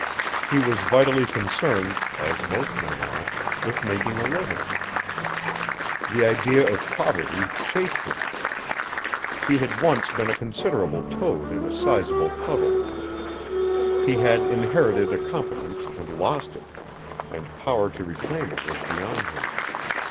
He was vitally concerned, as most men are, with making a living. The idea of poverty chafed him. He had once been a considerable toad in a sizable puddle. He had inherited a competence and lost it, and power to reclaim it was beyond him.